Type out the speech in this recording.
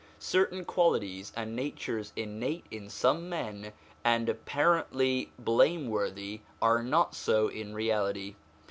Certain qualities and natures innate in some men and apparently blameworthy are not so in reality.